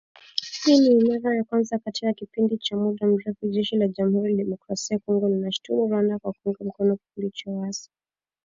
Hii ni mara ya kwanza katika kipindi cha muda mrefu, Jeshi la Jamhuri ya Kidemokrasia ya kongo linaishutumu Rwanda kwa kuunga mkono kikundi cha waasi